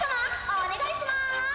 お願いします。